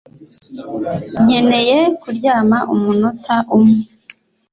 Nkeneye kuryama umunota umwe.